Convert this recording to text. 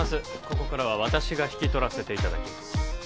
ここからは私が引き取らせていただきます